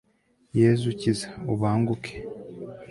yezu ukiza, ubanguke